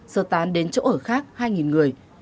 sơ tán đến chỗ ở khác hai người